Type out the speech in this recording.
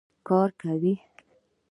کار کوي.